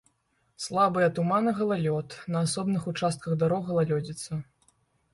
Слабыя туман і галалёд, на асобных участках дарог галалёдзіца.